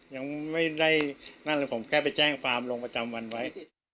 ยังไม่ได้นั่นเลยผมแค่ไปแจ้งความลงประจำวันไว้